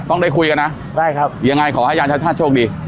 ต้องได้คุยกันนะได้ครับยังไงขอให้ย่านชาติช่องดี